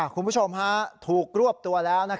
คุณผู้ชมถูกรวบตัวแล้ว